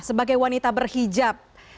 sebagai wanita berhijab